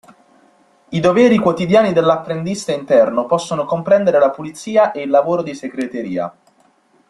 I doveri quotidiani dell’apprendista interno possono comprendere la pulizia e il lavoro di segreteria.